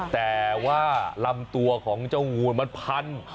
แต่ว่าลำตัวของเจ้างูมันพัน